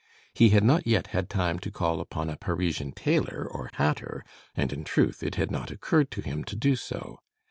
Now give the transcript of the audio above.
He had not yet had time to call upon a Parisian tailor or hatter, and in truth it had not occurred to him to do so.